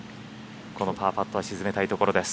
このパーパットは沈めたいところです。